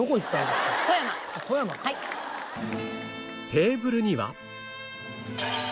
テーブルには